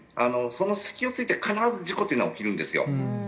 その隙を突いて必ず事故というのは起きるんですよ。